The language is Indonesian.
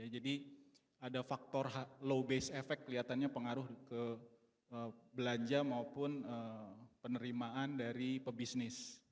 ada faktor low based effect kelihatannya pengaruh ke belanja maupun penerimaan dari pebisnis